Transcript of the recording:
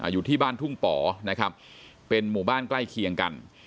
อยู่ที่บ้านทุ่งป๋อนะครับเป็นหมู่บ้านใกล้เคียงกัน